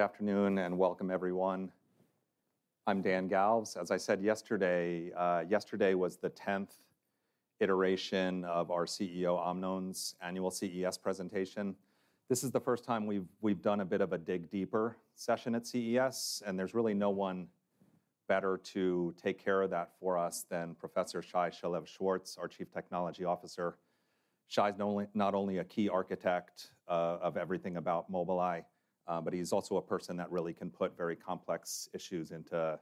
Good afternoon and welcome everyone. I'm Dan Galves. As I said yesterday, yesterday was the tenth iteration of our CEO Amnon's annual CES presentation. This is the first time we've done a bit of a dig deeper session at CES, and there's really no one better to take care of that for us than Professor Shai Shalev-Shwartz, our Chief Technology Officer. Shai is not only a key architect of everything about Mobileye, but he's also a person that really can put very complex issues into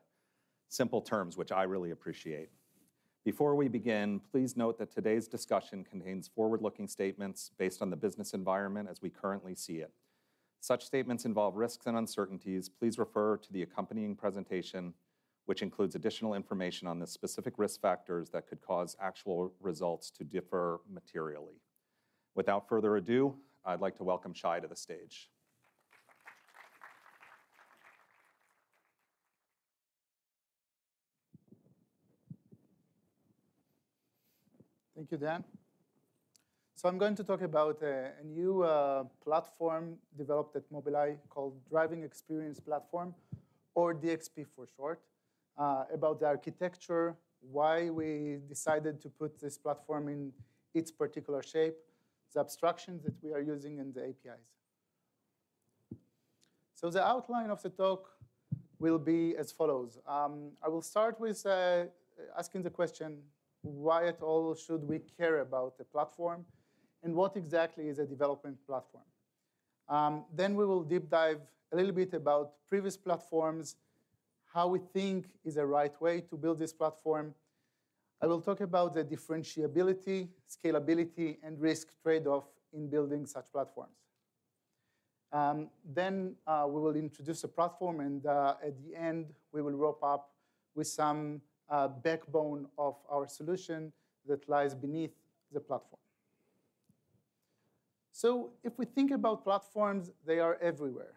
simple terms, which I really appreciate. Before we begin, please note that today's discussion contains forward-looking statements based on the business environment as we currently see it. Such statements involve risks and uncertainties. Please refer to the accompanying presentation, which includes additional information on the specific risk factors that could cause actual results to differ materially. Without further ado, I'd like to welcome Shai to the stage. Thank you, Dan. So I'm going to talk about a new platform developed at Mobileye called Driving Experience Platform, or DXP for short. About the architecture, why we decided to put this platform in its particular shape, the abstractions that we are using, and the APIs. So the outline of the talk will be as follows: I will start with asking the question, why at all should we care about the platform, and what exactly is a development platform? Then we will deep dive a little bit about previous platforms, how we think is the right way to build this platform. I will talk about the differentiability, scalability, and risk trade-off in building such platforms. Then we will introduce a platform, and at the end, we will wrap up with some backbone of our solution that lies beneath the platform. So if we think about platforms, they are everywhere.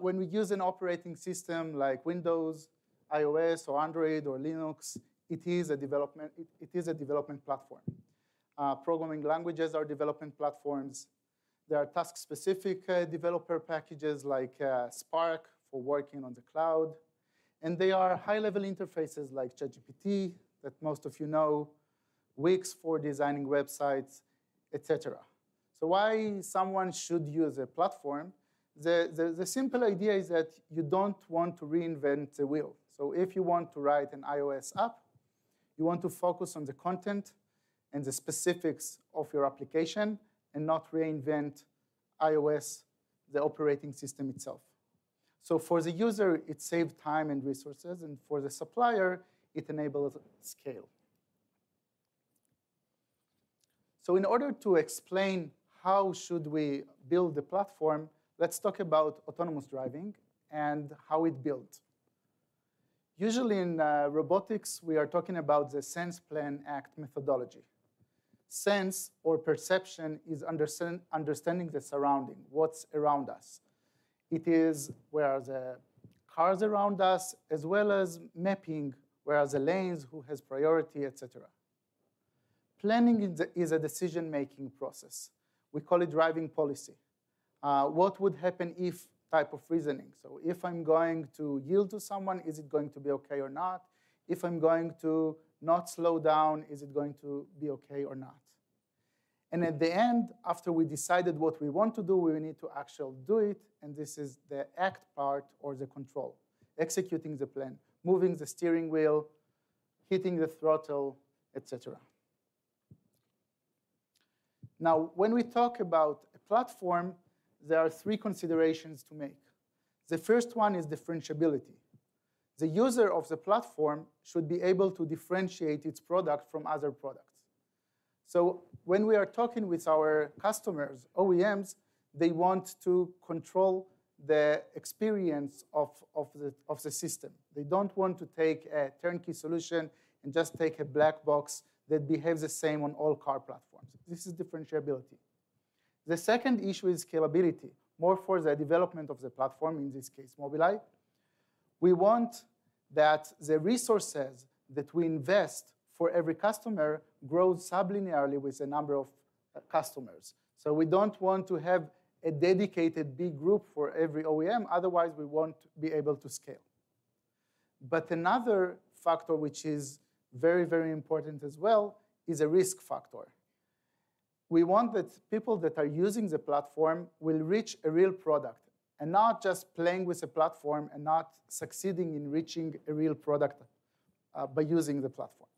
When we use an operating system like Windows, iOS or Android or Linux, it is a development platform. Programming languages are development platforms. There are task-specific developer packages like Spark for working on the cloud, and there are high-level interfaces like ChatGPT, that most of you know, Wix for designing websites, et cetera. So why someone should use a platform? The simple idea is that you don't want to reinvent the wheel. So if you want to write an iOS app, you want to focus on the content and the specifics of your application and not reinvent iOS, the operating system itself. So for the user, it saves time and resources, and for the supplier, it enables scale. So in order to explain how should we build the platform, let's talk about autonomous driving and how it's built. Usually, in robotics, we are talking about the sense, plan, act methodology. Sense or perception is understanding the surrounding, what's around us. It is where are the cars around us, as well as mapping where are the lanes, who has priority, et cetera. Planning is a decision-making process. We call it driving policy. What would happen if type of reasoning? So if I'm going to yield to someone, is it going to be okay or not? If I'm going to not slow down, is it going to be okay or not? And at the end, after we decided what we want to do, we need to actually do it, and this is the act part or the control. Executing the plan, moving the steering wheel, hitting the throttle, et cetera. Now, when we talk about a platform, there are three considerations to make. The first one is differentiability. The user of the platform should be able to differentiate its product from other products. So when we are talking with our customers, OEMs, they want to control the experience of the system. They don't want to take a turnkey solution and just take a black box that behaves the same on all car platforms. This is differentiability. The second issue is scalability, more for the development of the platform, in this case, Mobileye. We want that the resources that we invest for every customer grows sublinearly with the number of customers. So we don't want to have a dedicated big group for every OEM, otherwise, we won't be able to scale. But another factor, which is very, very important as well, is a risk factor. We want that people that are using the platform will reach a real product, and not just playing with the platform and not succeeding in reaching a real product, by using the platform.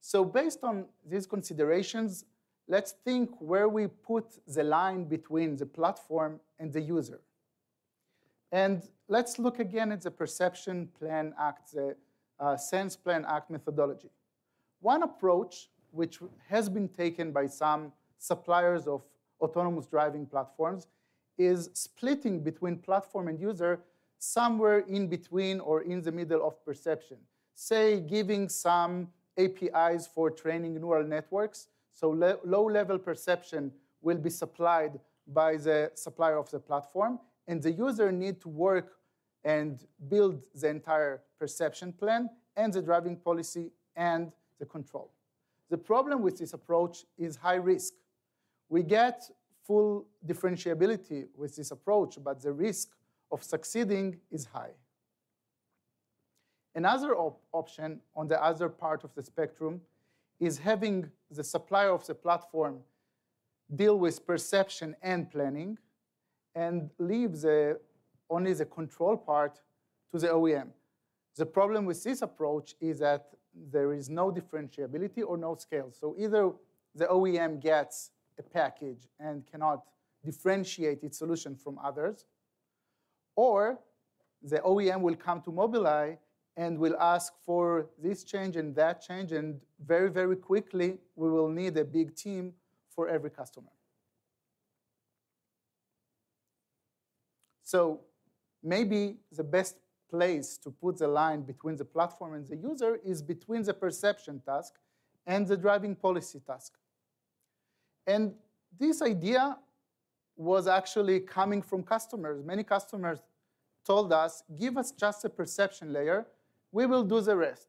So based on these considerations, let's think where we put the line between the platform and the user. And let's look again at the perception, plan, act, sense, plan, act methodology. One approach, which has been taken by some suppliers of autonomous driving platforms, is splitting between platform and user somewhere in between or in the middle of perception. Say, giving some APIs for training neural networks, so low-level perception will be supplied by the supplier of the platform, and the user need to work and build the entire perception plan and the driving policy and the control. The problem with this approach is high risk. We get full differentiability with this approach, but the risk of succeeding is high. Another option on the other part of the spectrum is having the supplier of the platform deal with perception and planning, and leave only the control part to the OEM. The problem with this approach is that there is no differentiability or no scale. So either the OEM gets a package and cannot differentiate its solution from others, or the OEM will come to Mobileye and will ask for this change and that change, and very, very quickly, we will need a big team for every customer. So maybe the best place to put the line between the platform and the user is between the perception task and the driving policy task. This idea was actually coming from customers. Many customers told us: "Give us just a perception layer, we will do the rest."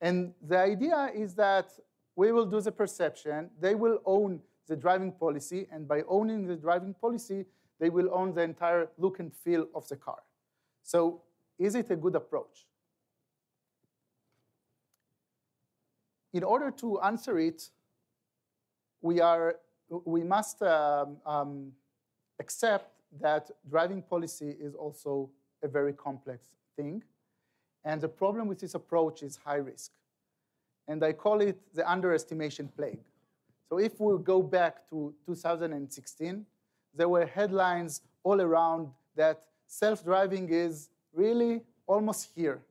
The idea is that we will do the perception, they will own the driving policy, and by owning the driving policy, they will own the entire look and feel of the car. Is it a good approach? In order to answer it, we must accept that driving policy is also a very complex thing, and the problem with this approach is high risk, and I call it the underestimation plague. If we go back to 2016, there were headlines all around that self-driving is really almost here.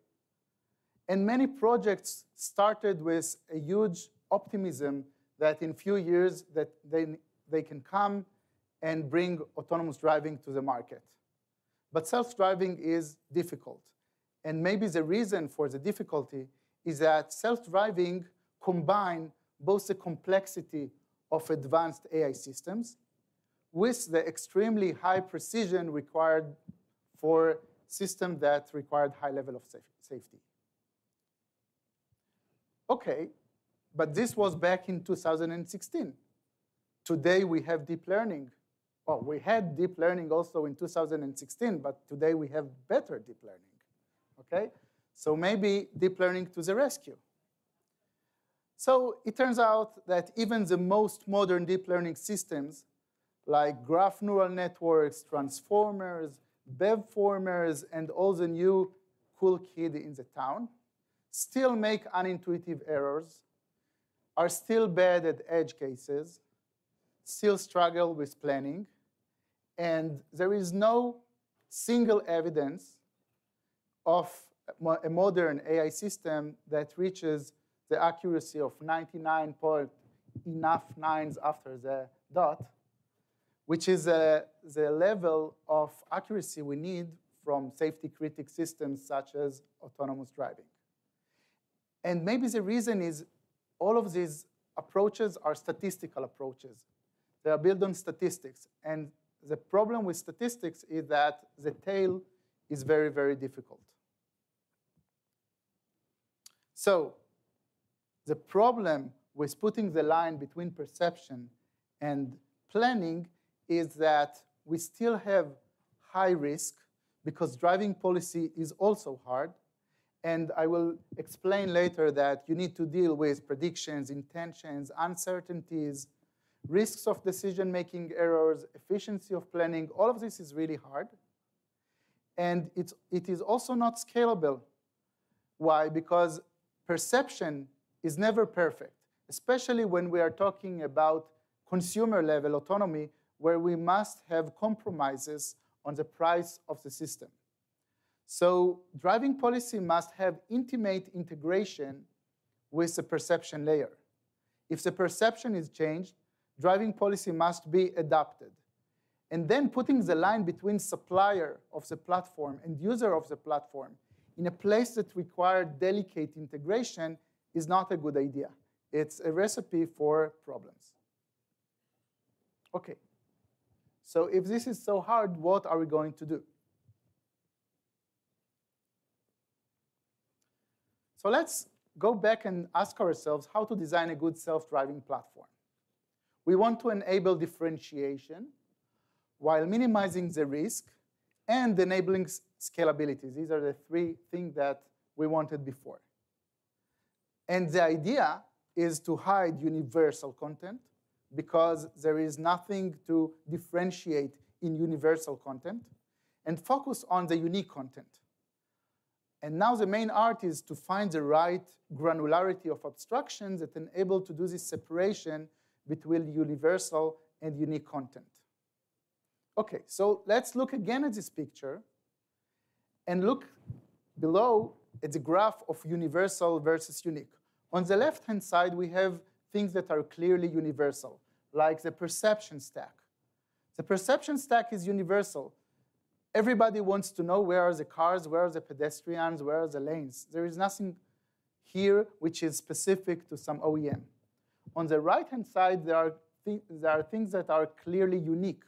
Many projects started with a huge optimism that in few years, they can come and bring autonomous driving to the market. But self-driving is difficult, and maybe the reason for the difficulty is that self-driving combine both the complexity of advanced AI systems with the extremely high precision required for system that required high level of safety. Okay, but this was back in 2016. Today, we have deep learning. Well, we had deep learning also in 2016, but today we have better deep learning. Okay? So maybe deep learning to the rescue. So it turns out that even the most modern deep learning systems, like graph neural networks, transformers, BEVFormers, and all the new cool kid in the town, still make unintuitive errors, are still bad at edge cases, still struggle with planning, and there is no single evidence of a modern AI system that reaches the accuracy of 99 point enough nines after the dot, which is the level of accuracy we need from safety-critical systems such as autonomous driving. And maybe the reason is all of these approaches are statistical approaches. They are built on statistics, and the problem with statistics is that the tail is very, very difficult. So the problem with putting the line between perception and planning is that we still have high risk, because driving policy is also hard. And I will explain later that you need to deal with predictions, intentions, uncertainties, risks of decision-making errors, efficiency of planning. All of this is really hard, and it's, it is also not scalable. Why? Because perception is never perfect, especially when we are talking about consumer-level autonomy, where we must have compromises on the price of the system. So driving policy must have intimate integration with the perception layer. If the perception is changed, driving policy must be adapted. And then putting the line between supplier of the platform and user of the platform in a place that require delicate integration is not a good idea. It's a recipe for problems. Okay, so if this is so hard, what are we going to do? So let's go back and ask ourselves how to design a good self-driving platform. We want to enable differentiation while minimizing the risk and enabling scalability. These are the three things that we wanted before. And the idea is to hide universal content, because there is nothing to differentiate in universal content, and focus on the unique content. And now the main art is to find the right granularity of abstractions that enable to do this separation between universal and unique content. Okay, so let's look again at this picture, and look below at the graph of universal versus unique. On the left-hand side, we have things that are clearly universal, like the perception stack. The perception stack is universal. Everybody wants to know where are the cars, where are the pedestrians, where are the lanes. There is nothing here which is specific to some OEM. On the right-hand side, there are things that are clearly unique.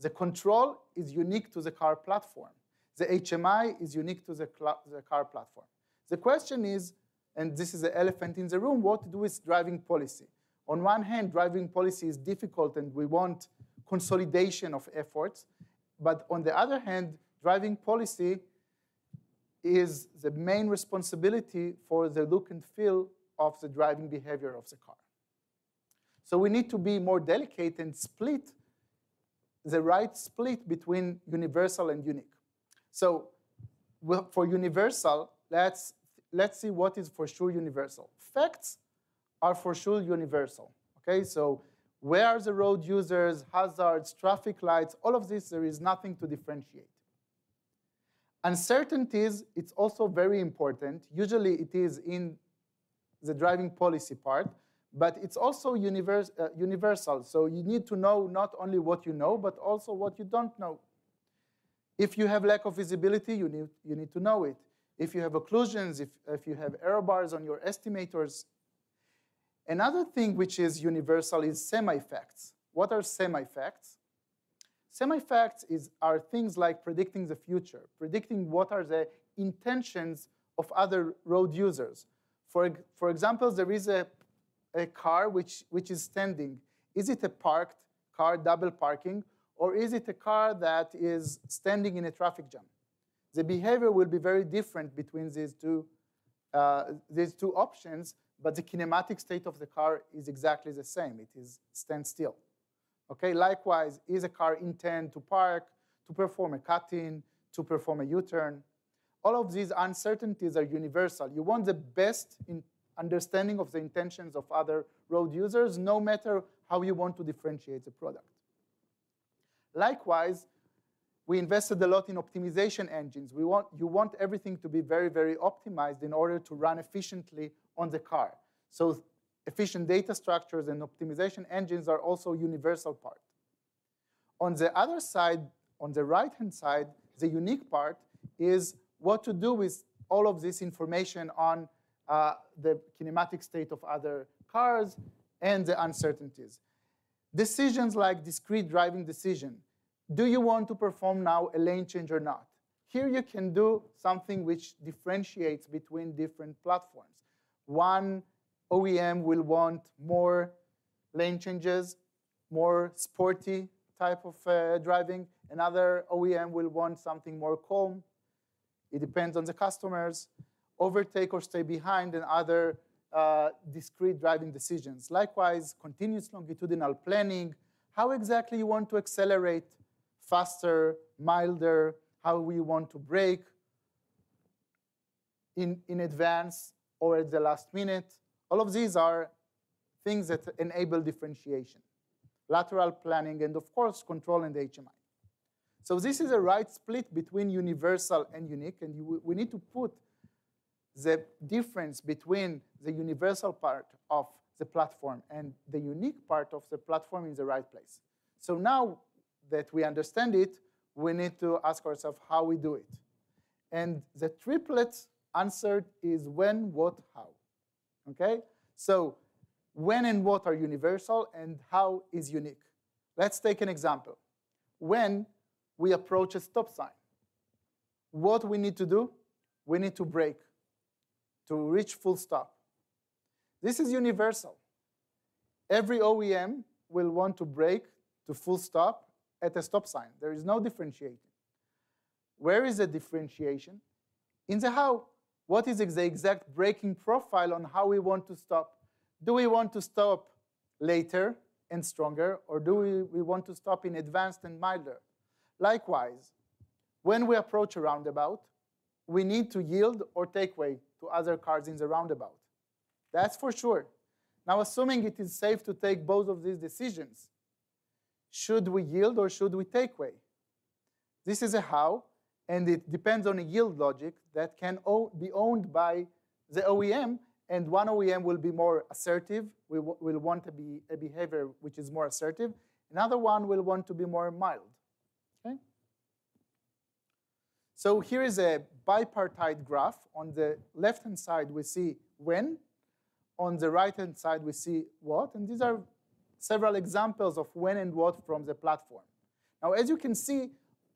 The control is unique to the car platform. The HMI is unique to the car platform. The question is, and this is the elephant in the room, what to do with driving policy? On one hand, driving policy is difficult and we want consolidation of efforts. But on the other hand, driving policy is the main responsibility for the look and feel of the driving behavior of the car. So we need to be more delicate and split the right split between universal and unique. So, well, for universal, let's see what is for sure universal. Facts are for sure universal, okay? So where are the road users, hazards, traffic lights, all of this, there is nothing to differentiate. Uncertainties, it's also very important. Usually, it is in the driving policy part, but it's also universal. So you need to know not only what you know, but also what you don't know. If you have lack of visibility, you need to know it. If you have occlusions, if you have error bars on your estimators. Another thing which is universal is semi-facts. What are semi-facts? Semi-facts is, are things like predicting the future, predicting what are the intentions of other road users. For example, there is a car which is standing. Is it a parked car, double parking, or is it a car that is standing in a traffic jam? The behavior will be very different between these two options, but the kinematic state of the car is exactly the same. It is standstill. Okay, likewise, is a car intend to park, to perform a cut in, to perform a U-turn? All of these uncertainties are universal. You want the best in understanding of the intentions of other road users, no matter how you want to differentiate the product. Likewise, we invested a lot in optimization engines. You want everything to be very, very optimized in order to run efficiently on the car. So efficient data structures and optimization engines are also universal part. On the other side, on the right-hand side, the unique part is what to do with all of this information on, the kinematic state of other cars and the uncertainties. Decisions like discrete driving decision. Do you want to perform now a lane change or not? Here you can do something which differentiates between different platforms. One OEM will want more lane changes, more sporty type of, driving. Another OEM will want something more calm. It depends on the customers. Overtake or stay behind, and other discrete driving decisions. Likewise, continuous longitudinal planning. How exactly you want to accelerate: faster, milder? How we want to brake: in advance or at the last minute? All of these are things that enable differentiation. Lateral planning, and of course, control and HMI. So this is a right split between universal and unique, and we need to put the difference between the universal part of the platform and the unique part of the platform in the right place. So now that we understand it, we need to ask ourselves how we do it. And the triplet answer is when, what, how. Okay? So when and what are universal, and how is unique. Let's take an example. When we approach a stop sign, what we need to do? We need to brake to reach full stop. This is universal. Every OEM will want to brake to full stop at a stop sign. There is no differentiating. Where is the differentiation? In the how. What is the exact braking profile on how we want to stop? Do we want to stop later and stronger, or do we want to stop in advance and milder? Likewise, when we approach a roundabout, we need to yield or give way to other cars in the roundabout. That's for sure. Now, assuming it is safe to take both of these decisions, should we yield or should we give way? This is a how, and it depends on a yield logic that can be owned by the OEM, and one OEM will be more assertive, will want to be a behavior which is more assertive. Another one will want to be more mild. Okay? So here is a bipartite graph. On the left-hand side, we see when. On the right-hand side, we see what, and these are several examples of when and what from the platform. Now, as you can see,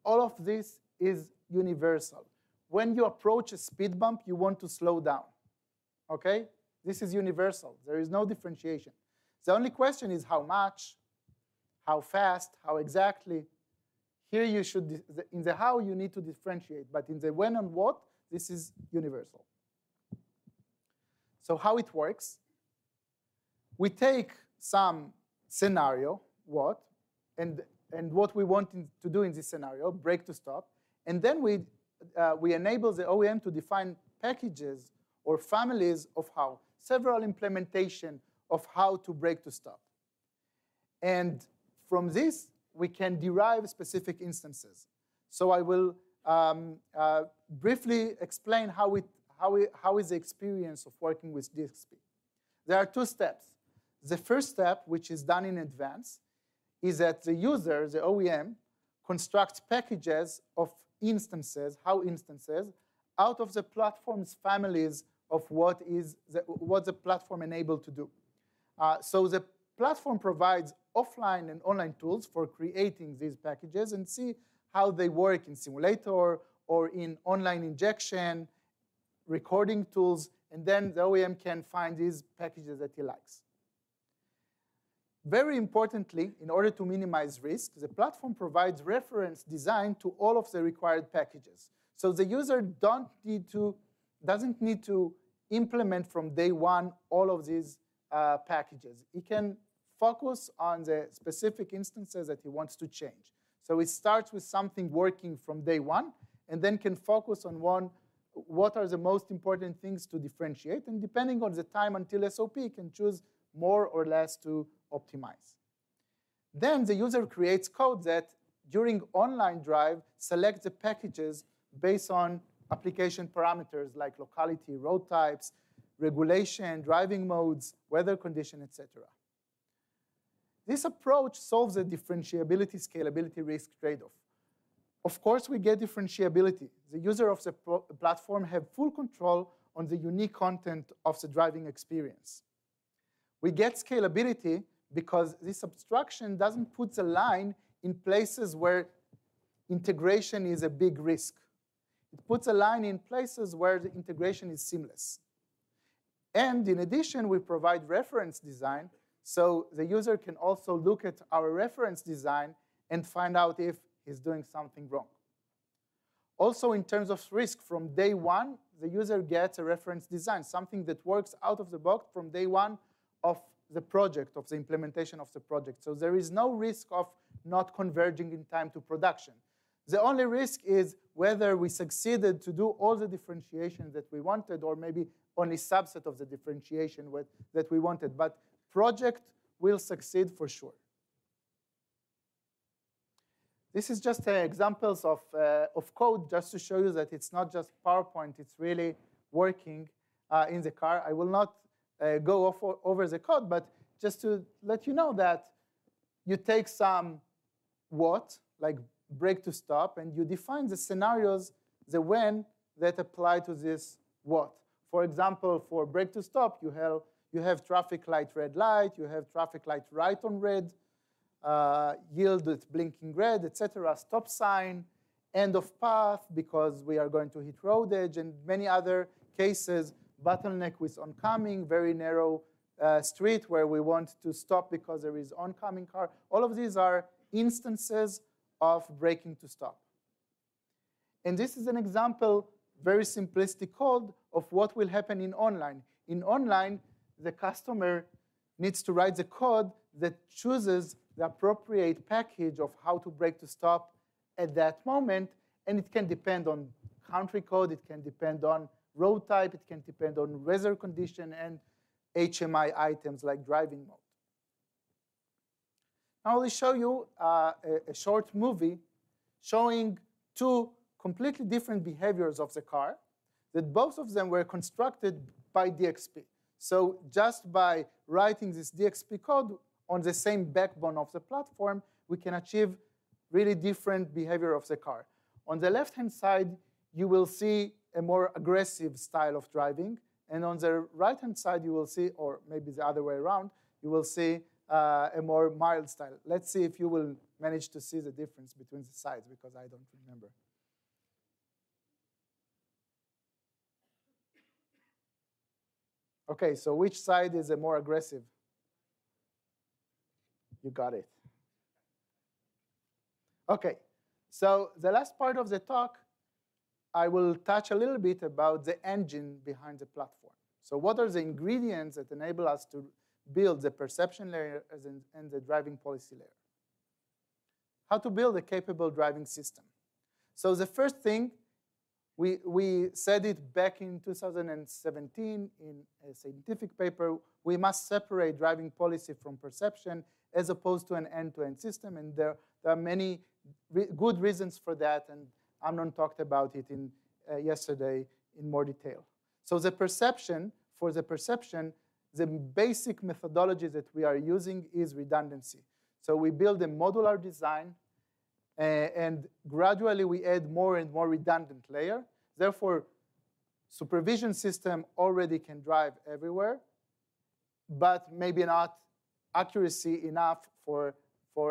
all of this is universal. When you approach a speed bump, you want to slow down, okay? This is universal. There is no differentiation. The only question is how much, how fast, how exactly? Here you should. In the how you need to differentiate, but in the when and what, this is universal. So how it works: we take some scenario, what, and, and what we want to do in this scenario, brake to stop, and then we, we enable the OEM to define packages or families of how, several implementation of how to brake to stop. From this, we can derive specific instances. So I will briefly explain how is the experience of working with DXP. There are two steps. The first step, which is done in advance, is that the user, the OEM, constructs packages of instances out of the platform's families of what the platform enabled to do. So the platform provides offline and online tools for creating these packages and see how they work in simulator or in online injection, recording tools, and then the OEM can find these packages that he likes. Very importantly, in order to minimize risk, the platform provides reference design to all of the required packages. So the user don't need to, doesn't need to implement from day one all of these packages. He can focus on the specific instances that he wants to change. So he starts with something working from day one, and then can focus on one, what are the most important things to differentiate? And depending on the time until SOP, he can choose more or less to optimize. Then, the user creates code that, during online drive, select the packages based on application parameters like locality, road types, regulation, driving modes, weather condition, et cetera. This approach solves the differentiability, scalability, risk trade-off. Of course, we get differentiability. The user of the platform have full control on the unique content of the driving experience. We get scalability because this abstraction doesn't put a line in places where integration is a big risk. It puts a line in places where the integration is seamless. And in addition, we provide reference design, so the user can also look at our reference design and find out if he's doing something wrong. Also, in terms of risk, from day one, the user gets a reference design, something that works out of the box from day one of the project, of the implementation of the project. So there is no risk of not converging in time to production. The only risk is whether we succeeded to do all the differentiation that we wanted, or maybe only subset of the differentiation with that we wanted, but project will succeed for sure. This is just examples of code, just to show you that it's not just PowerPoint, it's really working in the car. I will not go over the code, but just to let you know that you take some what, like brake to stop, and you define the scenarios, the when, that apply to this what. For example, for brake to stop, you have, you have traffic light, red light, you have traffic light, right on red, yield with blinking red, et cetera, stop sign, end of path, because we are going to hit road edge and many other cases, bottleneck with oncoming, very narrow street where we want to stop because there is oncoming car. All of these are instances of braking to stop. And this is an example, very simplistic code, of what will happen in online. In online, the customer needs to write the code that chooses the appropriate package of how to brake to stop at that moment, and it can depend on country code, it can depend on road type, it can depend on weather condition and HMI items like driving mode. I will show you a short movie showing two completely different behaviors of the car, that both of them were constructed by DXP. So just by writing this DXP code on the same backbone of the platform, we can achieve really different behavior of the car. On the left-hand side, you will see a more aggressive style of driving, and on the right-hand side, you will see, or maybe the other way around, you will see a more mild style. Let's see if you will manage to see the difference between the sides, because I don't remember. Okay, so which side is the more aggressive? You got it. Okay, so the last part of the talk, I will touch a little bit about the engine behind the platform. So what are the ingredients that enable us to build the perception layer, as in, and the driving policy layer? How to build a capable driving system? So the first thing, we said it back in 2017 in a scientific paper, we must separate driving policy from perception, as opposed to an end-to-end system, and there are many good reasons for that, and Amnon talked about it in yesterday in more detail. So the perception, for the perception, the basic methodology that we are using is redundancy. So we build a modular design, and gradually we add more and more redundant layer. Therefore, SuperVision system already can drive everywhere, but maybe not accuracy enough for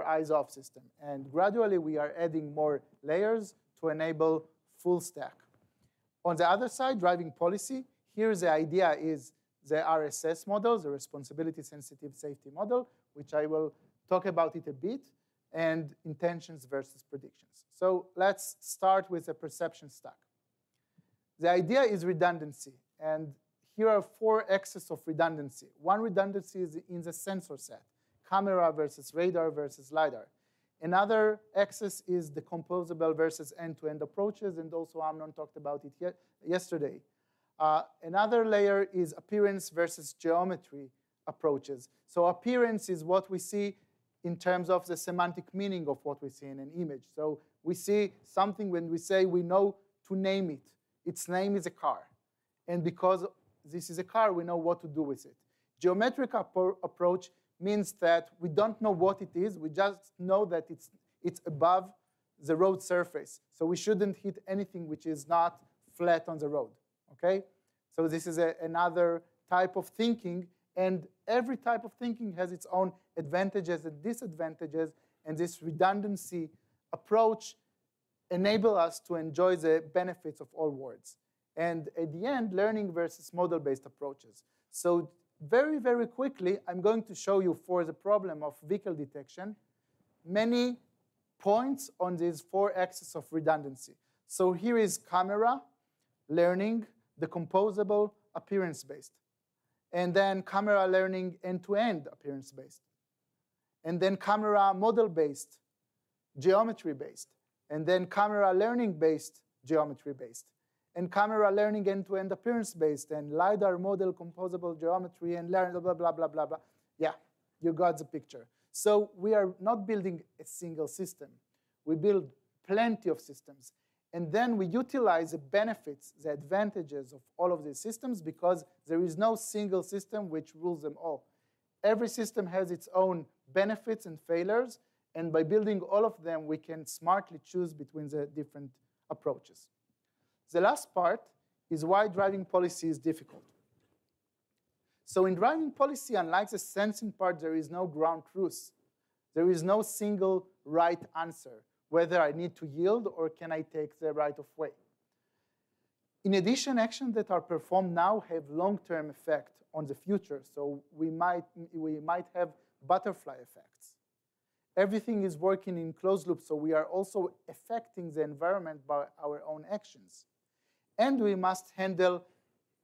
eyes-off system, and gradually we are adding more layers to enable full stack. On the other side, driving policy, here the idea is the RSS model, the Responsibility-Sensitive Safety model, which I will talk about it a bit, and intentions versus predictions. So let's start with the perception stack. The idea is redundancy, and here are four axes of redundancy. One redundancy is in the sensor set, camera versus radar versus lidar. Another axis is the composable versus end-to-end approaches, and also Amnon talked about it here yesterday. Another layer is appearance versus geometry approaches. So appearance is what we see in terms of the semantic meaning of what we see in an image. So we see something when we say we know to name it. Its name is a car, and because this is a car, we know what to do with it. Geometric approach means that we don't know what it is, we just know that it's above the road surface, so we shouldn't hit anything which is not flat on the road, okay? So this is another type of thinking, and every type of thinking has its own advantages and disadvantages, and this redundancy approach enable us to enjoy the benefits of all worlds, and at the end, learning versus model-based approaches. So very, very quickly, I'm going to show you for the problem of vehicle detection, many points on these four axes of redundancy. So here is camera, learning, the composable appearance-based, and then camera learning end-to-end appearance-based. And then camera model-based, geometry-based, and then camera learning-based, geometry-based, and camera learning end-to-end appearance-based, and lidar model composable geometry and learn. Yeah, you got the picture. We are not building a single system. We build plenty of systems, and then we utilize the benefits, the advantages of all of these systems, because there is no single system which rules them all. Every system has its own benefits and failures, and by building all of them, we can smartly choose between the different approaches. The last part is why driving policy is difficult. In driving policy, unlike the sensing part, there is no ground truth. There is no single right answer, whether I need to yield or can I take the right of way? In addition, actions that are performed now have long-term effect on the future, so we might, we might have butterfly effects. Everything is working in closed loop, so we are also affecting the environment by our own actions, and we must handle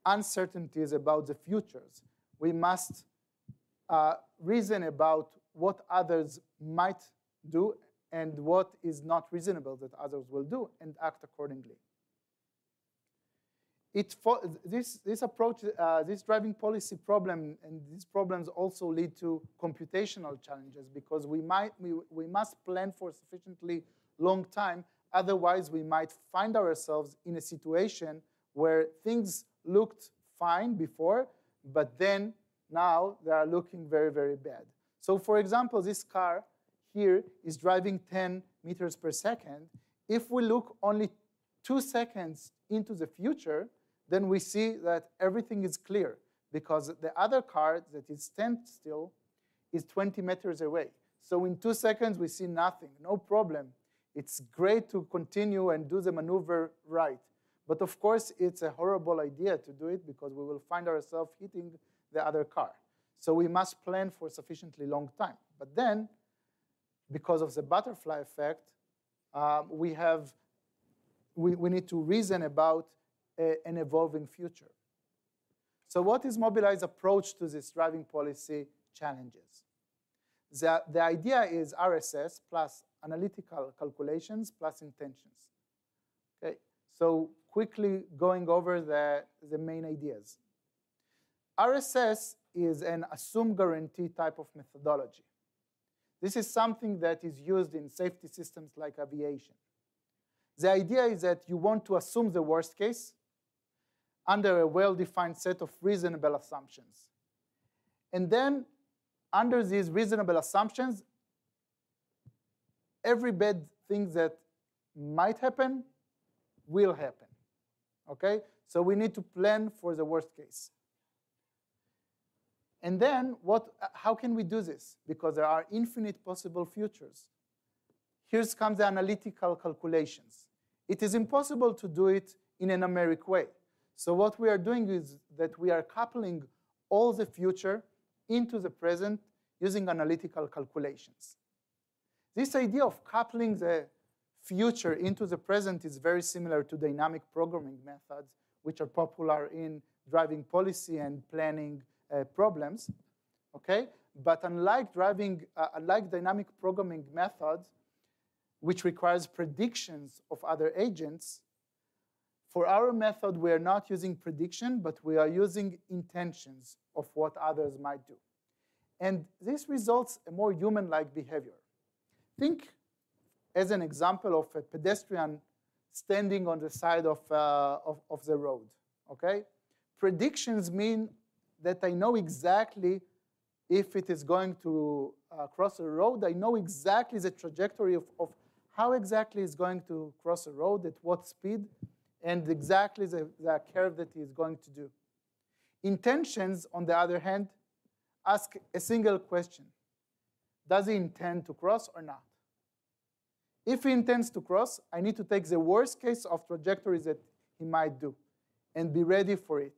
uncertainties about the futures. We must reason about what others might do and what is not reasonable that others will do, and act accordingly. This approach, this driving policy problem, and these problems also lead to computational challenges because we must plan for sufficiently long time, otherwise, we might find ourselves in a situation where things looked fine before, but then now they are looking very, very bad. So for example, this car here is driving 10 meters per second. If we look only two seconds into the future, then we see that everything is clear, because the other car that is standstill is 20 meters away. So in two seconds, we see nothing, no problem. It's great to continue and do the maneuver right. But of course, it's a horrible idea to do it because we will find ourselves hitting the other car. So we must plan for a sufficiently long time. But then, because of the butterfly effect, we need to reason about an evolving future. So what is Mobileye's approach to these driving policy challenges? The idea is RSS plus analytical calculations plus intentions. Okay, so quickly going over the main ideas. RSS is an assumed guarantee type of methodology. This is something that is used in safety systems like aviation. The idea is that you want to assume the worst case, under a well-defined set of reasonable assumptions. And then, under these reasonable assumptions, every bad thing that might happen, will happen, okay? So we need to plan for the worst case. And then, how can we do this? Because there are infinite possible futures. Here comes the analytical calculations. It is impossible to do it in a numeric way. So what we are doing is, that we are coupling all the future into the present using analytical calculations. This idea of coupling the future into the present is very similar to dynamic programming methods, which are popular in driving policy and planning, problems, okay? But unlike dynamic programming methods, which requires predictions of other agents, for our method, we are not using prediction, but we are using intentions of what others might do. And this results a more human-like behavior. Think as an example of a pedestrian standing on the side of the road, okay? Predictions mean that I know exactly if it is going to cross the road. I know exactly the trajectory of how exactly it's going to cross the road, at what speed, and exactly the curve that he's going to do. Intentions, on the other hand, ask a single question: Does he intend to cross or not? If he intends to cross, I need to take the worst case of trajectories that he might do and be ready for it.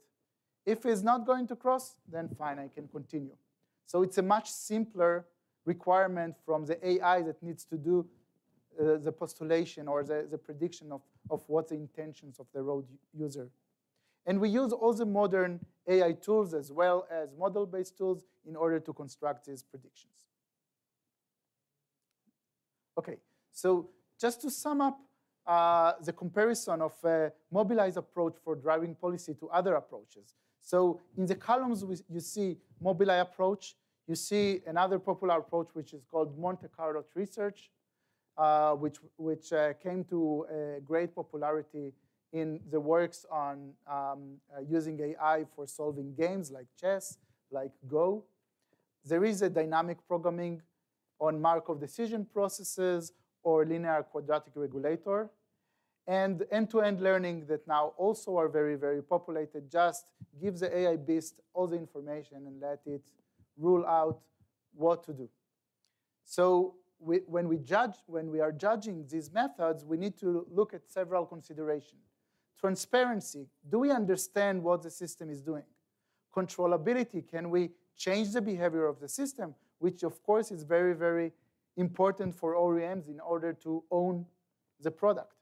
If he's not going to cross, then fine, I can continue. So it's a much simpler requirement from the AI that needs to do the postulation or the prediction of what the intentions of the road user. And we use all the modern AI tools as well as model-based tools in order to construct these predictions. Okay, so just to sum up, the comparison of Mobileye's approach for driving policy to other approaches. So in the columns, we, you see Mobileye approach, you see another popular approach, which is called Monte Carlo Tree Search, which, which, came to, great popularity in the works on, using AI for solving games like chess, like Go. There is a dynamic programming on Markov decision processes or linear quadratic regulator, and end-to-end learning that now also are very, very populated, just gives the AI beast all the information and let it rule out what to do. So when we are judging these methods, we need to look at several consideration. Transparency: Do we understand what the system is doing? Controllability: Can we change the behavior of the system? Which, of course, is very, very important for OEMs in order to own the product.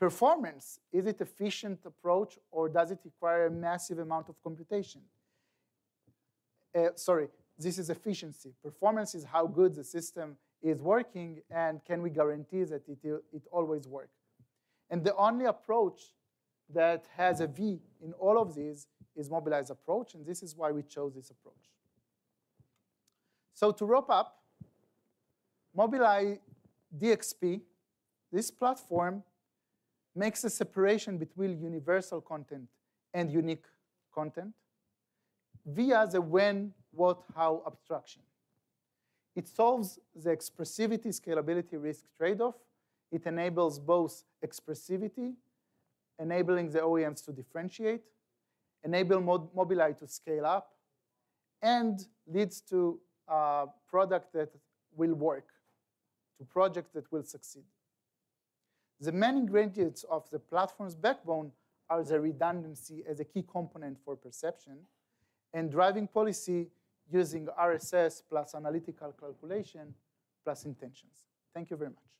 Performance: Is it efficient approach, or does it require a massive amount of computation? Sorry, this is efficiency. Performance is how good the system is working, and can we guarantee that it will, it always work. And the only approach that has a V in all of these is Mobileye's approach, and this is why we chose this approach. So to wrap up, Mobileye DXP, this platform makes a separation between universal content and unique content via the when, what, how abstraction. It solves the expressivity, scalability, risk trade-off. It enables both expressivity, enabling the OEMs to differentiate, enable Mobileye to scale up, and leads to a product that will work, to project that will succeed. The main ingredients of the platform's backbone are the redundancy as a key component for perception, and driving policy using RSS plus analytical calculation, plus intentions. Thank you very much.